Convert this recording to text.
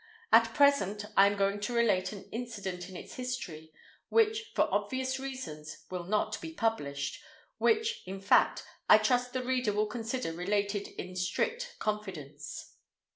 At present I am going to relate an incident in its history which, for obvious reasons, will not be published—which, in fact, I trust the reader will consider related in strict confidence.